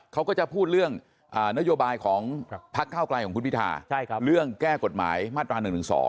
เขาก็จะพูดเรื่องนโยบายของพักเก้าไกลของคุณพิธาเรื่องแก้กฎหมายมาตรา๑๑๒